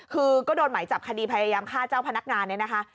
คือก็โดนหมายจับคดีพยายามฆ่าเจ้าพนักงานเนี่ยนะคะ